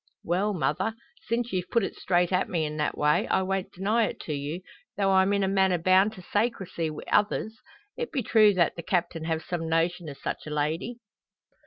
"Well, mother, since you've put it straight at me in that way, I won't deny it to you, tho' I'm in a manner bound to saycrecy wi' others. It be true that the Captain have some notion o' such a lady."